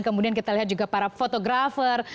kemudian kita lihat juga para fotografer